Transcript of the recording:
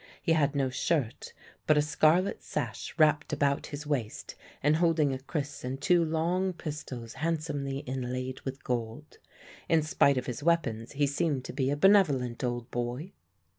He had no shirt, but a scarlet sash wrapped about his waist and holding a kris and two long pistols handsomely inlaid with gold. In spite of his weapons he seemed a benevolent old boy.